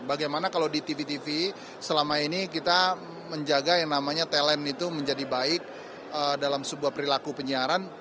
bagaimana kalau di tv tv selama ini kita menjaga yang namanya talent itu menjadi baik dalam sebuah perilaku penyiaran